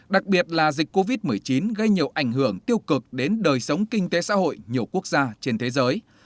đặc biệt là dịch covid một mươi chín gây nhiều ảnh hưởng tiêu cực đến đời sống kinh tế xã hội nhiều quốc gia trên thế giới